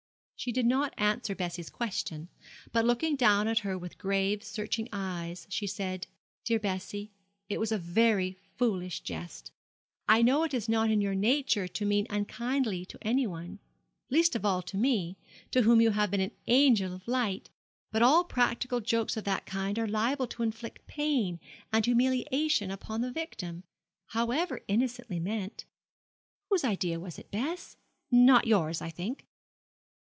She did not answer Bessie's question, but, looking down at her with grave, searching eyes, she said, 'Dear Bessie, it was a very foolish jest. I know it is not in your nature to mean unkindly to anyone, least of all to me, to whom you have been an angel of light; but all practical jokes of that kind are liable to inflict pain and humiliation upon the victim however innocently meant. Whose idea was it, Bess? Not yours, I think?'